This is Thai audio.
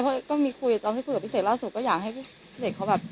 เขาต้องคุยต้องคุยกับพี่เศษล่ะสุดก็อยากให้พี่เศษเขาแบบ